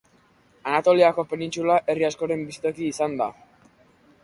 Anatoliako penintsula herri askoren bizitoki izan da.